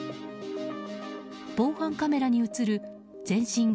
防犯カメラに映る全身